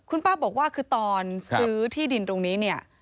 คุณป้าบอกว่าคือตอนซื้อที่ดินตรงนี้เนี่ย